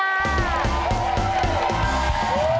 เดี๋ยวค่ะ